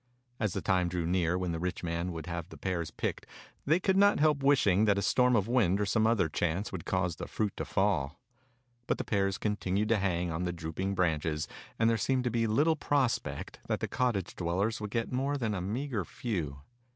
As the time drew near when the rich man would have the pears picked they could not help wishing that a storm of wind or some other chance would cause the fruit to fall. But the pears continued to hang on the drooping branches, and there seemed to be little pros pect that the cottage dwellers would get more than a meagre few.